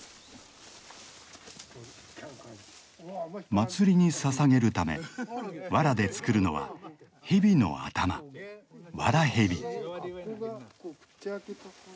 祭りにささげるため藁で作るのは蛇の頭藁蛇。